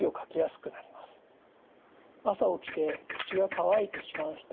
朝起きて口が乾いてしまう人